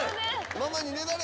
ママにねだれ！